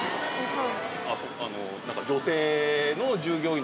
はい。